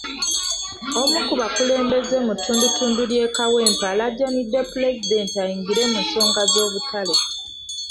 Omu ku bakulembeze mu ttundutundu ly'e Kawempe alaajanidde Pulezidenti ayingire mu nsonga z'obutale.